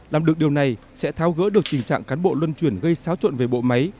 làm được điều này sẽ thao gỡ được tình trạng cán bộ luân chuyển gây xáo trộn về bộ máy